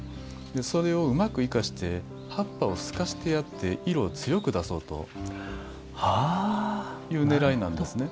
それをうまく生かして葉っぱを透かしてあって色を強く出そうというねらいなんですね。